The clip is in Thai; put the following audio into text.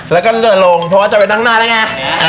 แล้วก็เดินลงเพราะว่าจะไปนั่งหน้าแล้วไง